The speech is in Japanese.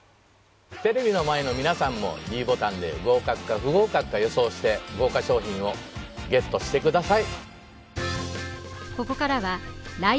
テレビの前の皆さんもｄボタンで合格か不合格か予想して豪華賞品をＧＥＴしてください